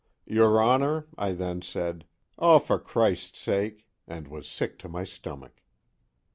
_Your Honor, I then said: "Oh, for Christ's sake!" and was sick to my stomach.